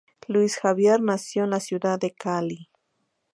Luis Xavier nació en la ciudad de Cali.